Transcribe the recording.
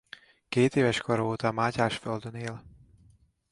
Kétéves kora óta Mátyásföldön él.